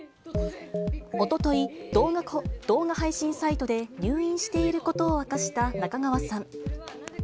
おととい、動画配信サイトで入院していることを明かした中川さん。